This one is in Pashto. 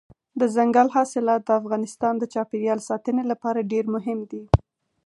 دځنګل حاصلات د افغانستان د چاپیریال ساتنې لپاره ډېر مهم دي.